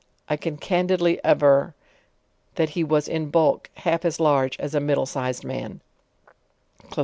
I can candidly aver, that he was in bulk half as large as a middle sized man."